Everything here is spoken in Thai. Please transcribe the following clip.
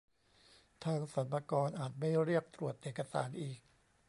ทางสรรพากรอาจไม่เรียกตรวจเอกสารอีก